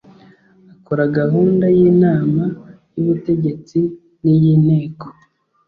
akora gahunda y inama y ubutegetsi n iy inteko